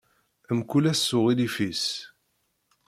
Mkul ass s uɣilif-is.